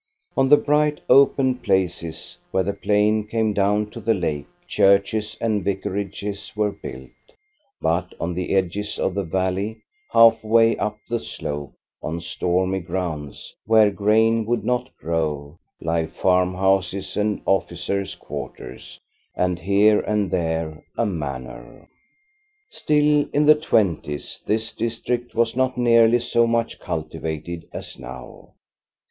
On the bright, open places, where the plain came down to the lake, churches and vicarages were built ; but on the edges of the valley, half way up the slope, on stony grounds, where grain would not grow, lie farm houses and officers' quarters, and here and there a manor. THE LANDSCAPE 33 Still, in the twenties, this district was not nearly so much cultivated as now.